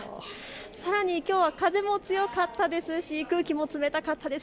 さらにきょうは風も強かったですし空気も冷たかったです。